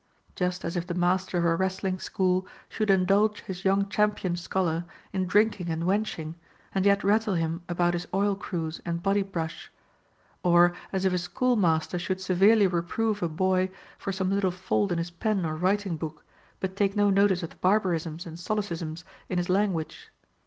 Just as if the master of a wrestling school should indulge his young champion scholar in drinking and wenching, and yet rattle him about his oil cruise and body brush ; or as if a schoolmaster should severely reprove a boy for some little fault in his pen or writing book, but take no notice of the barbarisms and solecisms in his language.